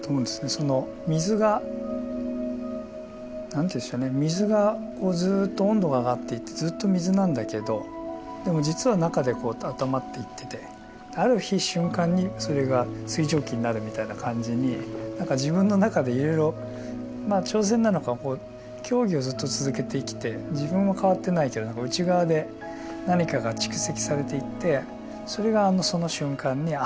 その水が何ていうんでしょうね水がずっと温度が上がっていってずっと水なんだけどでも実は中でこうあったまっていっててある日瞬間にそれが水蒸気になるみたいな感じに自分の中でいろいろまあ挑戦なのか競技をずっと続けてきて自分は変わってないけど何か内側で何かが蓄積されていってそれがその瞬間にあ